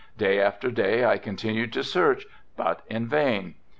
Day after day I continued the search but in vain.